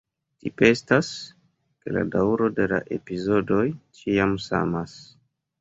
Tipe estas, ke la daŭro de la epizodoj ĉiam samas.